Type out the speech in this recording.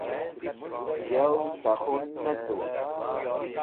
yow ta khun ne tu